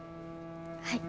はい。